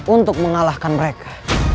untuk mengalahkan mereka